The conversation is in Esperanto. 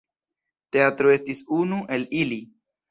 Teatro estis unu el ili.